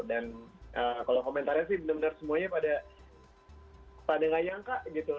dan kalau komentarnya sih benar benar semuanya pada gak nyangka gitu